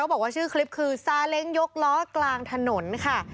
บอกว่าชื่อคลิปคือซาเล้งยกล้อกลางถนนค่ะ